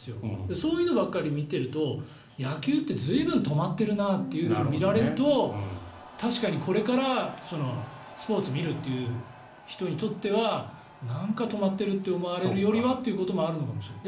そういうのばっかり見てると野球って随分止まってるなと見られると確かにこれからスポーツを見るっていう人にとってはなんか止まってるって思われるよりはってことがあるのかもしれない。